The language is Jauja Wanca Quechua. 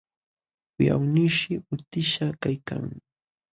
Wiqawnishi utishqa kaykan,